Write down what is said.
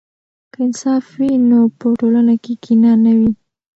که انصاف وي نو په ټولنه کې کینه نه وي.